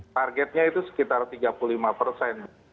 targetnya itu sekitar tiga puluh lima persen